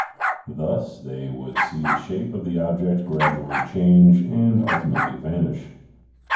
Thus they would see the shape of the object gradually change and ultimately vanish.